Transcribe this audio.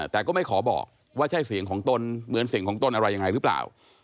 แต่ก็ไม่ขอบอกว่าใช่เสียงของตนเหมือนเสียงของตนอะไรยังไงหรือเปล่า